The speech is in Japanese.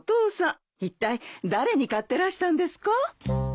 いったい誰に買ってらしたんですか？